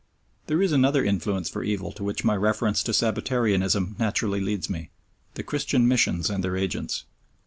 There is another influence for evil to which my reference to Sabbatarianism naturally leads me the Christian missions and their agents.